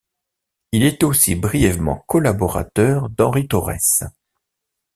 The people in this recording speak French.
Il est aussi brièvement collaborateur d'Henry Torrès.